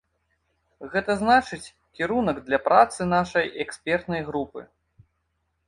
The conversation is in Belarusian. Гэта значыць, кірунак для працы нашай экспертнай групы.